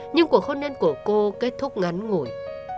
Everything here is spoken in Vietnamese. nhưng cuộc hôn nhân của cô kết thúc ngắn ngủi